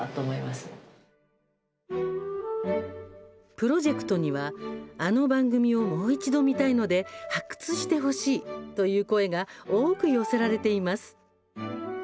プロジェクトにはあの番組をもう一度見たいので発掘してほしいという声が多く寄せられています。